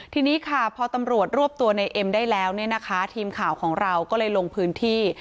ทีนี้ค่ะพอตำรวจรวบตัวในเอ็มได้แล้วเนี่ยนะคะทีมข่าวของเราก็เลยลงพื้นที่